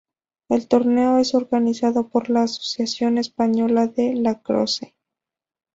El torneo es organizado por la Asociación Española de Lacrosse.